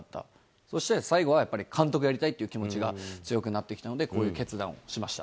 そして、最後はやっぱり、監督やりたいっていう気持ちが強くなってきたので、こういう決断をしました。